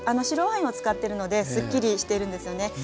白ワインを使ってるのですっきりしてるんですよね。